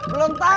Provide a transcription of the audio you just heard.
belum tahu kang